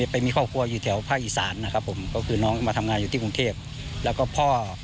ไปมีครอบครัวอยู่แถวภาคอีสานนะครับผมก็คือน้องมาทำงานอยู่ที่กรุงเทพแล้วก็พ่อ